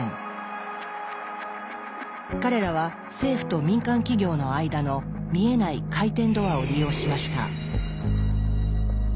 彼らは政府と民間企業の間の見えない「回転ドア」を利用しました。